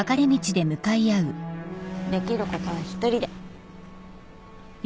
できることは一人で。